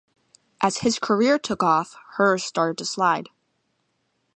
As his career took off, hers started to slide.